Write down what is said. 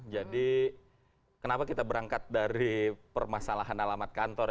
jadi kenapa kita berangkat dari permasalahan alamat kantor